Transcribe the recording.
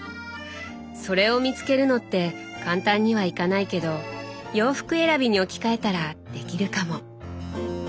それを見つけるのって簡単にはいかないけど洋服選びに置き換えたらできるかも。